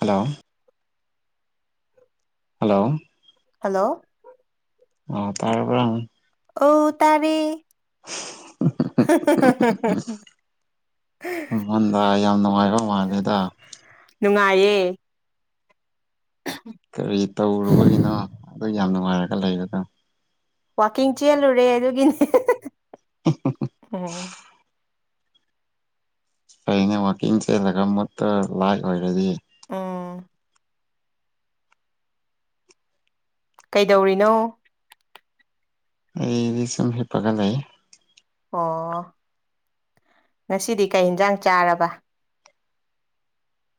Hello hello hello ꯑ ꯇꯔꯔ ꯑ ꯇꯥꯔꯦ [unintelligible] ꯑꯩꯉꯣꯟꯗ ꯌꯥꯝ ꯅꯨꯡꯉꯥꯏꯕ ꯃꯥꯜꯂꯦꯗ ꯅꯨꯡꯉꯥꯏꯌꯦ ꯎꯝ ꯀꯔꯤ ꯇꯧꯔꯨꯕꯒꯤꯅꯣ ꯑꯗꯨ ꯌꯥꯝ ꯅꯨꯡꯉꯥꯏꯔꯒ ꯂꯩꯕꯗꯣ ꯋꯥꯛꯀꯤꯡ ꯆꯦꯜꯂꯨꯔꯦ ꯑꯗꯨꯒꯤꯅꯤ [unintelligible] ꯑꯩꯅ ꯋꯥꯛꯀꯤꯡ ꯆꯦꯜꯂꯒ ꯃꯨꯠꯇ ꯂꯥꯏ ꯑꯣꯏꯔꯗꯤ ꯑꯣ ꯀꯩꯗꯧꯔꯤꯅꯣ ꯑꯩꯗꯤ ꯁꯨꯝ ꯍꯤꯞꯄꯒ ꯂꯩ ꯑꯣ ꯉꯁꯤꯗꯤ ꯀꯩ ꯏꯟꯖꯥꯡ ꯆꯥꯔꯕ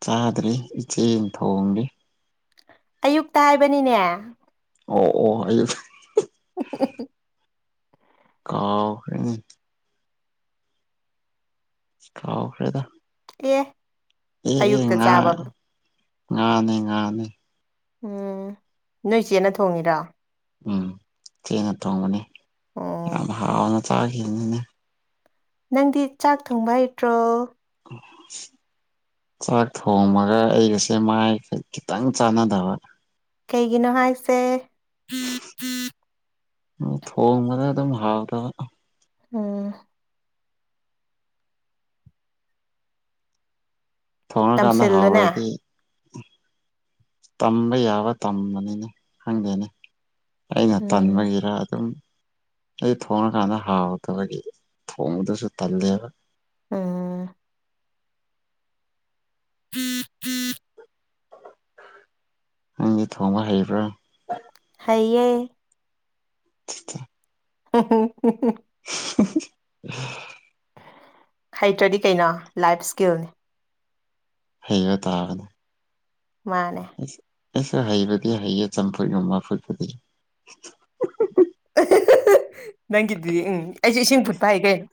ꯆꯥꯗ꯭ꯔꯤ ꯏꯆꯦꯜ ꯊꯣꯡꯂꯤ ꯑꯌꯨꯛꯇ ꯍꯥꯏꯕꯅꯤꯅꯦ ꯑꯣ ꯑꯣ ꯑꯩ ꯎ ꯀꯥꯎ ꯀꯥꯎ ꯐꯔꯦꯗ ꯑꯦ ꯑꯦ ꯑꯌꯨꯛꯇ ꯉꯥ ꯆꯥꯕ ꯉꯥꯅꯤ ꯉꯥꯅꯤ ꯎꯝ ꯅꯣꯏ ꯏ ꯆꯦꯠꯅ ꯊꯣꯡꯉꯤꯔ ꯎꯝ ꯆꯦꯡꯅ ꯊꯣꯡꯕꯅꯤ ꯎꯝ ꯌꯥꯝ ꯍꯥꯎꯅ ꯆꯥꯈꯤꯕꯅꯤꯅ ꯅꯪꯗꯤ ꯆꯥꯛ ꯊꯣꯡꯕ ꯍꯩꯇ꯭ꯔꯣ ꯑꯣ ꯆꯥꯛ ꯊꯣꯡꯉꯒ ꯑꯩꯒꯁꯦ ꯃꯥꯏ ꯈꯤꯇꯪ ꯆꯥꯟꯅꯗꯕ ꯀꯩꯒꯤꯅꯣ ꯍꯥꯏꯁꯦ ꯊꯣꯡ ꯕꯥꯗ ꯗꯨꯃ ꯍꯥꯎꯇꯕ ꯎꯝ ꯊꯣꯡꯉꯀꯥꯟꯗ ꯇꯝꯁꯤꯜꯂꯨꯅꯦ ꯍꯧꯥꯎꯔꯗꯤ ꯇꯝꯕ ꯌꯥꯕ ꯇꯝꯕꯅꯤꯅꯦ ꯈꯪꯗꯦꯅꯦ ꯑꯩꯅ ꯎꯝ ꯇꯟꯕꯒꯤꯔ ꯑꯗꯨꯝ ꯑꯗꯨ ꯊꯣꯡꯉꯀꯥꯟꯗ ꯍꯥꯎꯗꯕꯒꯤ ꯊꯣꯡꯕꯗꯨꯁꯨ ꯇꯜꯂꯦꯕ ꯎꯝ ꯎꯝ ꯎ ꯅꯪꯗꯤ ꯊꯣꯡꯕ ꯍꯩꯕ꯭ꯔꯥ ꯍꯥꯏꯌꯦꯌꯦ ꯑ ꯎ [unintelligible] ꯍꯩꯇ꯭ꯔꯗꯤ ꯀꯩꯅꯣ ꯂꯥꯏꯐ ꯁ꯭ꯀꯤꯜꯅꯤ ꯍꯩꯔ ꯇꯥꯒꯅꯤ ꯃꯥꯅꯦ ꯑꯩꯁꯁꯨ ꯍꯩꯕꯗꯤ ꯍꯩꯌꯦ ꯆꯝꯐꯨꯠꯒꯃꯥ ꯐꯨꯠꯄꯨꯗꯤ ꯅꯪꯒꯤꯗꯨꯗꯤ ꯎꯝ ꯑꯩꯁꯨꯦ ꯏꯁꯤꯡ ꯐꯨꯠꯄ ꯍꯥꯏ ꯀꯩꯅꯣ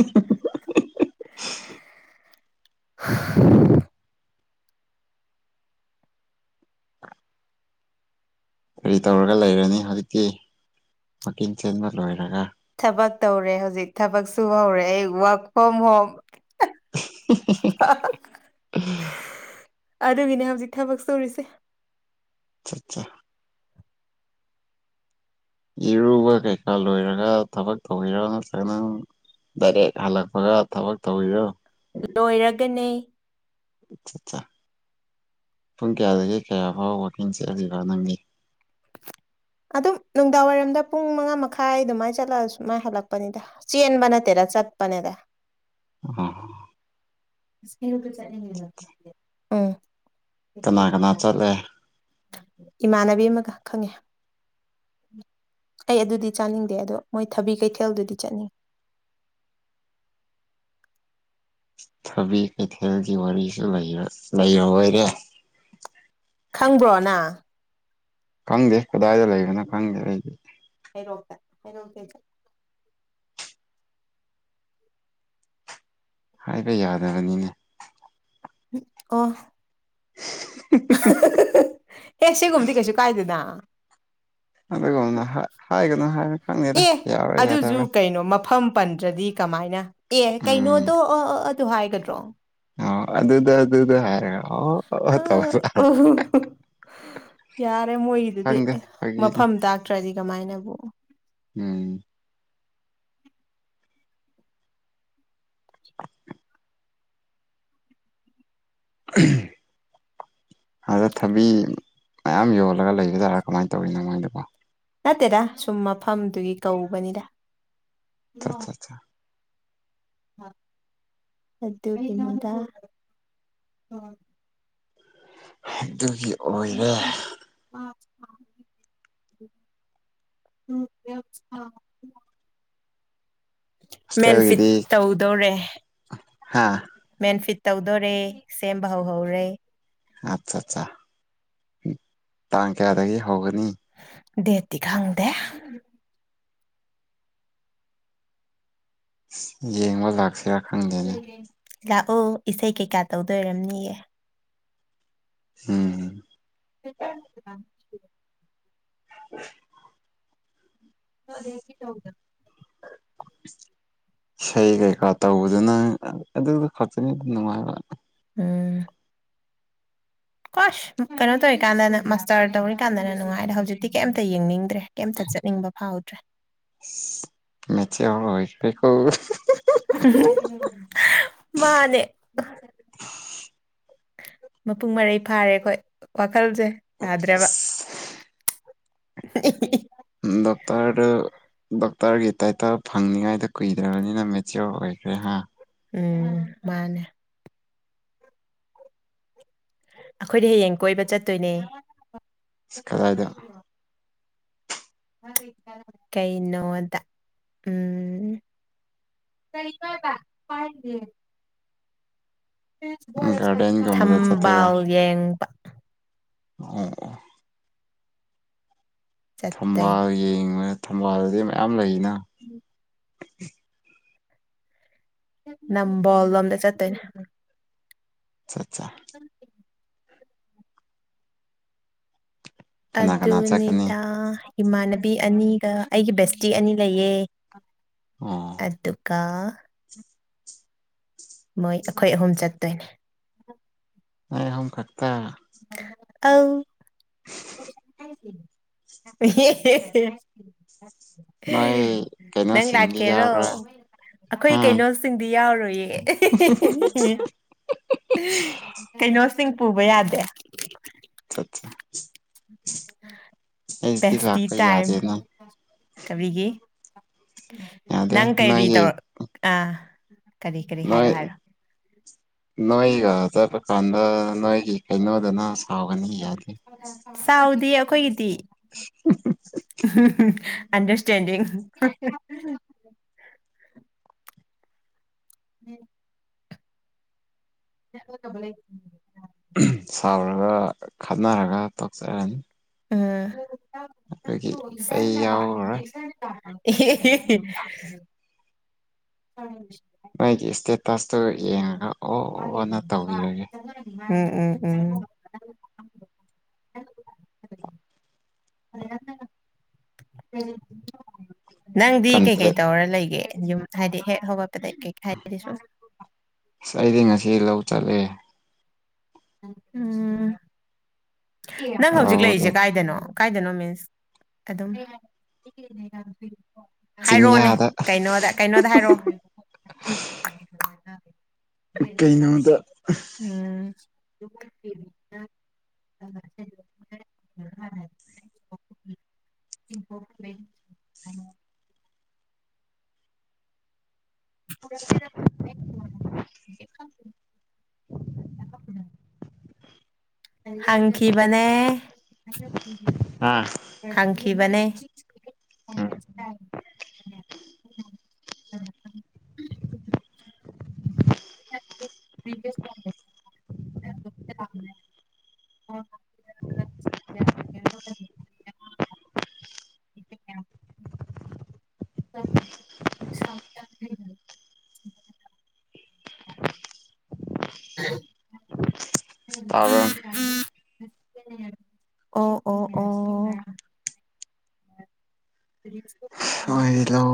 ꯎ ꯎ [inaudible] ꯀꯔꯤ ꯇꯧꯔꯒ ꯂꯩꯔꯅꯤ ꯍꯧꯖꯤꯛꯇꯤ ꯋꯀꯤꯡ ꯆꯦꯟꯕ ꯂꯣꯏꯔꯒ ꯊꯕꯛ ꯇꯧꯔꯦ ꯍꯧꯖꯤꯛ ꯊꯕꯛ ꯁꯨ ꯍꯧꯔꯦ ꯑꯩ ꯋꯥꯔꯛ ꯐ꯭ꯔꯣꯝ ꯍꯣꯝ [unintelligible] ꯑꯗꯨꯒꯤꯅꯦ ꯍꯧꯖꯤꯛ ꯊꯕꯛ ꯁꯨꯔꯤꯁꯦ ꯑꯆꯥ ꯑꯆꯥ ꯏꯔꯨꯕ ꯀꯩꯀꯥ ꯂꯣꯏꯔꯒ ꯊꯕꯛ ꯇꯧꯕꯤꯔꯣ ꯅꯠꯇ꯭ꯔꯒꯅꯪ ꯗꯥꯏꯔꯦꯛ ꯍꯜꯂꯛꯄꯒ ꯊꯕꯛ ꯇꯧꯕꯤꯔꯣ ꯂꯣꯏꯔꯒꯅꯤ ꯑꯠ ꯑꯠꯆꯥ ꯄꯨꯡ ꯀꯌꯥꯗꯒꯤ ꯀꯌꯥ ꯐꯥꯎꯕ ꯋꯀꯤꯡ ꯆꯦꯂꯤꯕꯣ ꯅꯪꯒꯤ ꯑꯗꯨꯝ ꯅꯨꯡꯗꯥꯡꯋꯥꯏꯔꯝꯗ ꯄꯨꯡ ꯃꯉꯥ ꯃꯈꯥꯏ ꯑꯗꯨꯃꯥꯏꯅ ꯆꯠꯂꯛ ꯁꯨꯃꯥꯏꯅ ꯍꯜꯂꯛꯄꯅꯤꯗ ꯆꯦꯟꯕ ꯅꯠꯇꯦꯗ ꯆꯠꯄꯅꯦꯗ ꯑ ꯎꯝ ꯀꯅꯥ ꯀꯅꯥ ꯆꯠꯂꯦ ꯏꯃꯥꯟꯅꯕꯤ ꯑꯃꯒ ꯈꯪꯉꯦ ꯑꯩ ꯑꯗꯨꯗꯤ ꯆꯥꯅꯤꯡꯗꯦ ꯑꯗꯣ ꯃꯣꯏ ꯊꯕꯤ ꯀꯩꯊꯦꯜꯗꯨꯗꯤ ꯆꯠꯅꯤꯡꯉ ꯊꯕꯤ ꯀꯩꯊꯦꯜꯒꯤ ꯋꯥꯔꯤꯁꯨ ꯂꯩꯔꯦ ꯂꯩꯔꯣꯏꯔꯦ ꯈꯪꯕ꯭ꯔꯣ ꯅꯪ ꯈꯪꯗꯦ ꯀꯗꯥꯏꯗ ꯂꯩꯕꯅꯣ ꯈꯪꯗꯦ ꯑꯩꯗꯤ ꯍꯩꯔꯣꯛꯇ ꯍꯩꯔꯣꯛꯇ ꯍꯥꯏꯕ ꯌꯥꯗꯕꯅꯤꯅꯦ ꯑꯣ ꯑꯦ ꯁꯤꯒꯨꯝꯃꯗꯤ ꯀꯩꯁꯨ ꯀꯥꯏꯗꯦꯅ ꯑꯗꯨꯒꯨꯝꯅ ꯍꯥꯏꯒꯅꯨ ꯍꯥꯏꯅ ꯈꯪꯉꯦꯗ ꯑꯦ ꯌꯥꯎꯔꯣꯏ ꯌꯥꯗꯕꯔꯥ ꯑꯗꯨꯁꯨ ꯀꯩꯅꯣ ꯃꯐꯝ ꯄꯟꯗ꯭ꯔꯗꯤ ꯀꯃꯥꯏꯅ ꯑꯦ ꯎꯝ ꯀꯩꯅꯣꯗꯣ ꯑ ꯑ ꯑꯗꯨ ꯍꯥꯏꯒꯗ꯭ꯔꯣ ꯑ ꯑꯗꯨꯗ ꯑꯗꯨꯗ ꯍꯥꯏꯔꯦ ꯑ ꯑꯣ ꯌꯥꯔꯦ ꯃꯣꯏꯒꯤꯗꯨꯗꯤ ꯈꯪꯗꯦ ꯐꯥꯒꯤꯅꯤ ꯃꯐꯝ ꯇꯥꯛꯇ꯭ꯔꯗꯤ ꯀꯃꯥꯏꯅꯕꯨ ꯎꯝ [inaudible] ꯑꯗ ꯊꯕꯤ ꯃꯌꯥꯝ ꯌꯣꯜꯂꯒ ꯂꯩꯕ ꯇꯔꯥ ꯀꯃꯥꯏꯅ ꯇꯧꯋꯤꯅꯣ ꯃꯣꯏꯗꯨꯕꯣ ꯅꯠꯇꯦꯗ ꯁꯨꯝ ꯃꯐꯝꯗꯨꯒꯤ ꯀꯧꯕꯅꯤꯗ ꯆꯥꯥ ꯆꯥ ꯆꯥ ꯑꯗꯨꯒꯤꯅꯤꯗ ꯑꯗꯨꯒꯤ ꯑꯣꯏꯔꯦ [inaudible] [unintelligible] ꯃꯦꯟꯐꯤꯠ ꯍꯣꯁꯇꯦꯜꯒꯤꯗꯤ ꯇꯧꯗꯧꯔꯦ ꯍꯥ ꯃꯦꯟꯐꯤꯠ ꯇꯧꯗꯣꯔꯦ ꯁꯦꯝꯕ ꯍꯧꯍꯧꯔꯦ ꯑꯠꯆꯥ ꯑꯠꯆꯥ ꯇꯥꯡ ꯀꯌꯥꯗꯒꯤ ꯍꯧꯒꯅꯤ ꯗꯦꯗꯇꯤ ꯈꯪꯗꯦ ꯌꯦꯡꯕ ꯂꯥꯛꯁꯤꯔ ꯂꯥꯛꯑꯣ ꯏꯁꯩ ꯀꯩꯀꯥ ꯇꯧꯗꯣꯏꯔꯝꯅꯤꯌꯦ ꯍꯝ ꯍꯦꯆ ꯎ [unintelligible] ꯑꯗꯨꯈꯤ ꯇꯧꯗ [inaudible] ꯏꯁꯩ ꯀꯩꯀꯥ ꯇꯧꯕꯗꯨꯅ ꯑꯗꯨꯗꯨ ꯈꯛꯇꯅꯤ ꯑꯗꯨꯝ ꯅꯨꯡꯉꯥꯏꯕ ꯎꯝ ꯀꯁ ꯀꯩꯅꯣ ꯇꯧꯔꯤꯀꯥꯟꯗꯅ ꯃꯥꯁꯇꯔ ꯇꯧꯔꯤꯀꯥꯟꯗꯅ ꯅꯨꯡꯉꯥꯏꯔꯦ ꯍꯧꯖꯤꯛꯇꯤ ꯀꯩꯝꯇ ꯌꯦꯡꯅꯤꯡꯗ꯭ꯔꯦ ꯀꯩꯝꯇ ꯆꯠꯅꯤꯡꯕ ꯐꯥꯎꯗ꯭ꯔꯦ ꯃꯦꯆꯌ ꯑꯩꯈ ꯀꯧꯕ ꯃꯥꯅꯦ ꯃꯄꯨꯡ ꯃꯔꯩ ꯐꯥꯔꯦ ꯑꯩꯈꯣꯏ ꯋꯥꯈꯜꯁꯦ ꯌꯥꯥꯗ꯭ꯔꯕ ꯗꯇꯔ ꯗꯣꯛꯇꯔꯒꯤ ꯇꯥꯏꯇꯜ ꯐꯪꯅꯤꯉꯥꯏꯗ ꯀꯨꯏꯗ꯭ꯔꯕꯅꯤꯅ ꯃꯦꯆꯤꯌꯣꯔ ꯑꯣꯏꯈ꯭ꯔꯦ ꯍꯥ ꯎꯝ ꯃꯥꯅꯦ ꯑꯩꯈꯣꯏꯗꯤ ꯍꯌꯦꯡ ꯀꯣꯏꯕ ꯆꯠꯇꯣꯏꯅꯦ ꯀꯗꯥꯏꯗ ꯀꯩꯩꯅꯣꯗ ꯎꯝ ꯇ ꯏ ꯀ ꯀ ꯄꯥꯏ ꯒꯥꯔꯗꯦꯟꯒꯨꯝꯕꯗ ꯆꯠꯇꯣꯏꯔꯥ ꯊꯝꯕꯥꯜ ꯌꯦꯡꯕ ꯑꯣ ꯆꯠꯇꯣꯏꯅꯦ ꯊꯝꯕꯥꯜ ꯌꯦꯡꯕ ꯊꯝꯕꯥꯜꯗꯗꯤ ꯃꯌꯥꯝ ꯂꯩꯅ ꯎꯝ ꯅꯝꯕꯣꯜ ꯂꯣꯝꯗ ꯆꯠꯇꯣꯏꯅꯦ ꯑꯆꯥ ꯎ ꯀꯅꯥ ꯀꯅꯥ ꯆꯠꯀꯅꯤ ꯑꯗꯨꯅꯦꯗ ꯏꯃꯥꯟꯅꯕꯤ ꯑꯅꯤꯒ ꯑꯩꯒꯤ ꯕꯦꯁꯇꯤ ꯑꯅꯤ ꯂꯩꯌꯦ ꯑꯣ ꯑꯗꯨꯀ ꯃꯣꯏ ꯑꯩꯈꯣꯏ ꯑꯍꯨꯝ ꯆꯠꯇꯣꯏꯅꯦ ꯑꯩ ꯍ ꯀꯥꯛꯇꯥ ꯑ ꯍ ꯅꯣꯏ ꯅꯪ ꯀꯩꯅꯣꯁꯤꯡꯗꯤ ꯂꯥꯛꯀꯦꯔꯣ ꯌꯥꯎꯔꯣꯏ ꯑꯩꯈꯣꯏ ꯑꯥ ꯀꯩꯅꯣ ꯁꯤꯡꯗꯤ ꯌꯥꯎꯔꯣꯏꯌꯦ ꯀꯩꯅꯣꯁꯤꯡ ꯄꯨꯕ ꯌꯥꯗꯦ ꯑ ꯑꯠꯆꯥ ꯑꯩꯗꯤ ꯂꯥꯛꯄ ꯌꯥꯗꯦ ꯅꯪ ꯀꯕꯤꯒꯤ ꯌꯥꯗꯦ ꯅꯪ ꯀꯩꯔꯤ ꯅꯣꯏꯒꯤ ꯇꯧꯔꯛ ꯑ ꯅꯏ ꯅꯏꯒ ꯇ ꯈꯥꯟꯗ ꯅꯏꯒꯤ ꯀꯩꯅꯣꯗꯅ ꯁꯥꯎꯒꯅꯤ ꯌꯥꯗꯦ ꯆꯥꯎꯗꯤ ꯑꯩꯈꯣꯏꯒꯤꯗꯤ [inaudible] ꯑꯟꯗꯔꯁꯇꯦꯟꯗꯤ ꯎꯝ ꯌꯥꯝ ꯀꯕ꯭ꯂ ꯁꯥꯎꯔꯒ ꯈꯠꯅꯔꯒ ꯇꯣꯛꯆꯔꯅꯤ ꯑꯗꯨꯒꯤ ꯑꯩ ꯎ ꯌꯥꯎꯔꯔꯣꯏ ꯑꯦ ꯎꯝ꯫ ꯅꯣꯏꯒꯤ ꯏꯁꯇꯦꯇꯁꯇꯨ ꯌꯦꯡꯉꯒ ꯑꯣꯅ ꯇꯧꯕꯤꯔꯒꯦ꯫ ꯎꯝ ꯎꯝ ꯎꯝ꯫ [unintelligible] ꯅꯪꯗꯤ ꯀꯩꯀꯩ ꯀꯟꯇꯦꯛ ꯇꯧꯔ ꯂꯩꯒꯦ ꯌꯨꯝ ꯍꯥꯏꯗꯤ ꯍꯦꯛ ꯍꯧꯒꯠꯄꯗꯩ ꯀꯩ ꯍꯥꯏꯗꯤ ꯁꯨꯝ ꯑꯁ ꯑꯩꯗꯤ ꯉꯁꯤ ꯂꯧ ꯆꯠꯂꯦ꯫ ꯎꯝ꯫ ꯅꯪ ꯍꯧꯖꯤꯛ ꯂꯧꯗ ꯂꯩꯔꯤꯁꯦ ꯀꯥꯏꯗꯅꯣ꯫ ꯀꯥꯏꯗꯅꯣ ꯃꯤꯁ ꯑꯗꯨꯝ [unintelligible] ꯍꯥꯏꯔꯛꯑꯣꯅꯦ ꯆꯤꯡꯌꯥꯗ ꯀꯩꯅꯣꯗ ꯀꯩꯅꯣꯗ ꯍꯥꯏꯔꯛꯑꯣ꯫ ꯀꯩꯅꯣꯗ ꯎꯝ [unintelligible] [unintelligible] [unintelligible] [unintelligible] ꯍꯪꯈꯤꯕꯅꯦ꯫ ꯑꯥ ꯈꯪꯈꯤꯕꯅꯦ ꯎꯝ [unintelligible] [unintelligible] [unintelligible] ꯇꯥꯕꯔ꯫ ꯑꯣ ꯑꯣ ꯑꯣ꯫ [unintelligible] ꯍꯣꯏ ꯂꯧ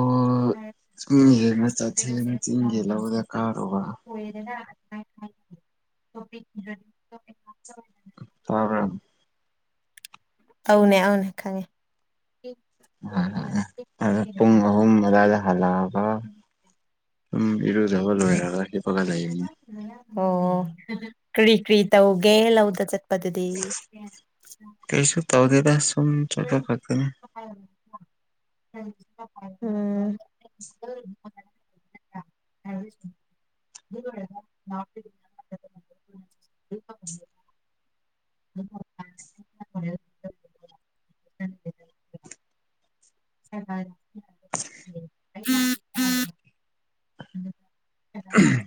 ꯆꯤꯡꯒꯦꯅ ꯆꯠꯁꯦꯅ ꯆꯤꯡꯒꯦ ꯂꯧꯗ ꯀꯥꯔꯨꯕ꯫ [unintelligible] ꯇꯥꯕꯔ꯫ ꯑꯧꯅꯦ ꯑꯧꯅꯦ ꯈꯪꯉꯦ꯫ ꯑꯪ ꯑꯪ ꯄꯨꯡ ꯑꯍꯨꯝ ꯑꯗꯥꯢꯗ ꯍꯂꯛ ꯑ ꯁꯨꯝ ꯏꯔꯖꯕ ꯂꯣꯏꯔꯒ ꯍꯤꯞ ꯑꯣ ꯀꯔꯤ ꯀꯔꯤ ꯇꯧꯒꯦ ꯂꯧꯗ ꯆꯠꯄꯗꯨꯗꯤ ꯀꯩꯁꯨ ꯇꯧꯗꯗ ꯁꯨꯝ ꯆꯠꯄ ꯈꯛꯇꯅꯤ꯫ ꯎꯝ꯫ [unintelligible] [unintelligible] [unintelligible] [unintelligible]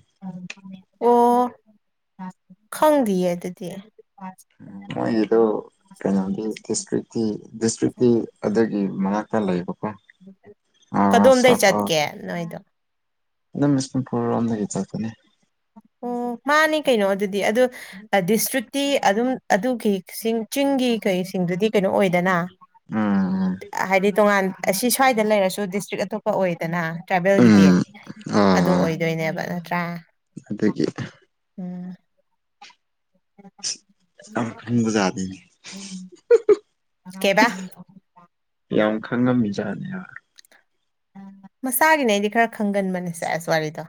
ꯑꯣ ꯈꯪꯗꯤꯌꯦ ꯑꯗꯨꯗꯤ꯫ ꯃꯣꯏꯒꯤꯗꯣ ꯀꯩꯅꯣꯗꯤ ꯗꯤꯁꯇ꯭ꯔ ꯇꯤ ꯗꯤꯁꯇ꯭ꯔꯤꯛꯇꯤ ꯑꯗꯨꯒꯤ ꯃꯅꯥꯛꯇ ꯂꯩꯕꯀꯣ ꯀꯗꯣꯝꯗꯩ ꯁꯔꯀ ꯆꯠꯀꯦ ꯅꯣꯏꯗꯣ ꯑꯗꯨꯝ ꯕꯤꯁꯅꯨꯄꯨꯔ ꯔꯣꯝꯗꯒꯤ ꯆꯠꯄꯅꯤ꯫ ꯑꯣ ꯃꯥꯅꯤ ꯀꯩꯅꯣ ꯑꯗꯨꯗꯤ ꯑꯗꯨ ꯗꯤꯁꯇ꯭ꯔꯤꯛꯇꯤ ꯑꯗꯨꯝ ꯑꯗꯨꯒꯤ ꯆꯤꯡ ꯆꯤꯡꯒꯤ ꯀꯩꯁꯤꯡꯗꯨꯗꯤ ꯀꯩꯅꯣ ꯑꯣꯏꯗꯅ ꯎꯝ ꯍꯥꯏꯗꯤ ꯇꯣꯉꯥꯟ ꯑꯁꯤ ꯁ꯭ꯋꯥꯏꯗ ꯂꯩꯔꯁꯨ ꯗꯤꯁꯇ꯭ꯔꯤꯛ ꯑꯇꯣꯞꯄ ꯑꯣꯏꯗꯅ ꯇ꯭ꯔꯥꯚꯦꯜꯒꯤꯗꯤ ꯎꯝ ꯑꯗꯨ ꯑꯣꯏꯗꯣꯏꯅꯦꯕ ꯅꯠꯇ꯭ꯔꯥ꯫ ꯑꯗꯒꯤ ꯎꯝ꯫ [unintelligible] [unintelligible] ꯈꯟꯕꯖꯥꯅꯤꯅꯦ [unintelligible] ꯀꯩꯕꯥ꯫ ꯌꯥꯝ ꯈꯪꯉꯝꯃꯤ ꯖꯥꯠꯅꯤ ꯍꯥꯏꯕ꯫ ꯃꯁꯥꯒꯤꯅꯦ ꯑꯩꯗꯤ ꯈꯔ ꯈꯪꯒꯟꯕꯅꯦꯁꯦ ꯑꯦꯁ ꯋꯥꯔꯤꯗꯣ